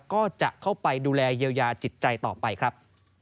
ก็จะเข้าไปดูแลเยียวยาจิตใจต่อไปครับ